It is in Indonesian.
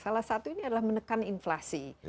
salah satu ini adalah menekan inflasi